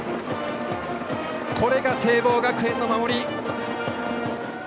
これが聖望学園の守り。